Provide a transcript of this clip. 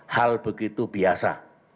hal begitu biasa